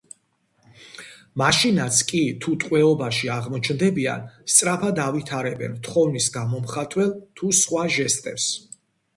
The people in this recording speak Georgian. მაშინაც კი თუ ტყვეობაში აღმოჩნდებიან სწრაფად ავითარებენ თხოვნის გამომხატველ თუ სხვა ჟესტებს.